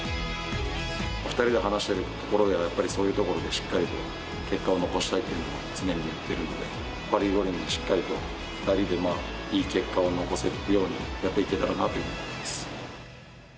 ２人で話しているところでは、やっぱりそういうところでしっかりと結果を残したいというのは常に言ってるので、パリ五輪でしっかりと、２人でいい結果を残せるようにやっていけたらなと思います。